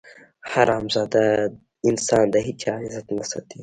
حرامزاده انسان د هېچا عزت نه ساتي.